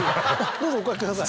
どうぞお掛けください。